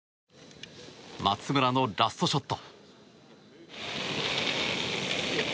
松村のラストショット。